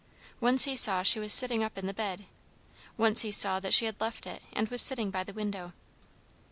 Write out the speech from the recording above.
Once he saw she was sitting up in the bed; once he saw that she had left it and was sitting by the window.